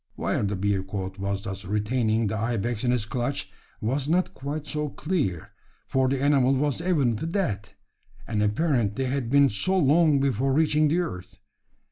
Why the bearcoot was thus retaining the ibex in his clutch was not quite so clear: for the animal was evidently dead; and apparently had been so long before reaching the earth.